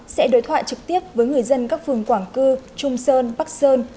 sẽ đối thoại trực tiếp với người dân các phường quảng cư trung sơn bắc sơn